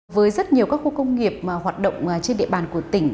với rất nhiều các khu công nghiệp hoạt động trên địa bàn của tỉnh